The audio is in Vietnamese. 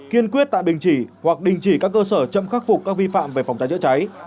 kiên quyết tạm đình chỉ hoặc đình chỉ các cơ sở chậm khắc phục các vi phạm về phòng cháy chữa cháy